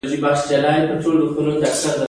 دا اهدافو ته د رسیدو په موخه کار کوي.